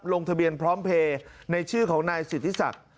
ลงทะเบียนพร้อมเพลย์ในชื่อของนายสิทธิศักดิ์